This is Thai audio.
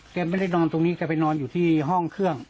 แกไม่ได้นอนตรงนี้แกไปนอนอยู่ที่ห้องเครื่อง